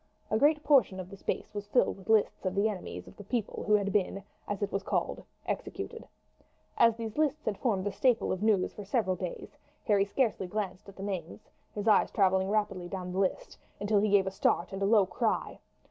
A great portion of the space was filled with lists of the enemies of the people who had been, as it was called, executed. As these lists had formed the staple of news for several days Harry scarce glanced at the names, his eye travelling rapidly down the list until he gave a start and a low cry.